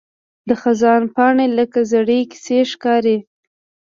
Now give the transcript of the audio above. د خزان پاڼې لکه زړې کیسې ښکاري